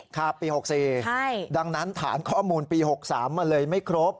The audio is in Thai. ครับปี๖๔ดังนั้นฐานข้อมูลปี๖๓มันเลยไม่ครบ